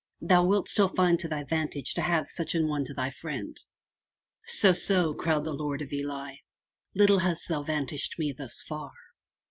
Thou wilt still find it to thy vantage to have such an one to thy friend/* '*So, so,'' growled the Lord of Ely, * little hast thou vantaged me thus far!''